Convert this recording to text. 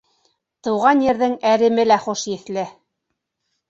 Тыуған ерҙең әреме лә хуш еҫле.